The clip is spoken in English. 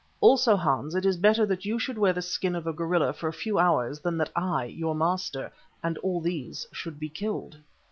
Also, Hans, it is better that you should wear the skin of a gorilla for a few hours than that I, your master, and all these should be killed."